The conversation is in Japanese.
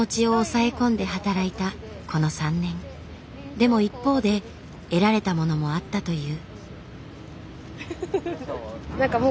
でも一方で得られたものもあったという。